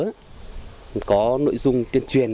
các đối tượng có nội dung tuyên truyền